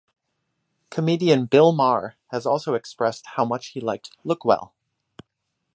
Comedian Bill Maher has also expressed how much he liked "Lookwell".